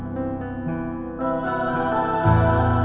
lo udah ngerti kan